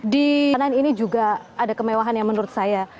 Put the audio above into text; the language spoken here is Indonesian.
di lain ini juga ada kemewahan yang menurut saya